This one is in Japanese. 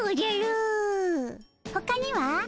ほかには？